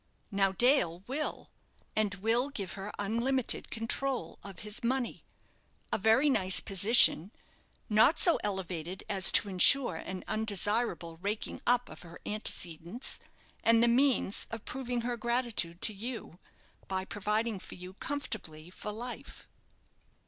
Now Dale will, and will give her unlimited control of his money a very nice position, not so elevated as to ensure an undesirable raking up of her antecedents, and the means of proving her gratitude to you, by providing for you comfortably for life."